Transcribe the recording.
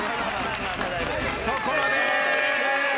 そこまで。